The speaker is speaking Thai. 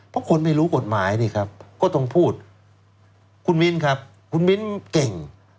เพราะคนไม่รู้กฎหมายนี่ครับก็ต้องพูดคุณมิ้นครับคุณมิ้นเก่ง